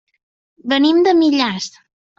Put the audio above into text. Venim de Millars.